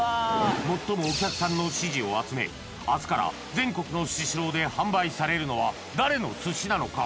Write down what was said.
最もお客さんの支持を集め明日から全国のスシローで販売されるのは誰の寿司なのか？